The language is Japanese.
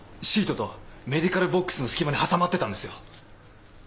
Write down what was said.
シートとメディカルボックスの隙間に挟まってたんですよ。